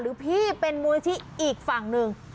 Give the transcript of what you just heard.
หรือพี่เป็นมูลิธิอีกฝั่งนึง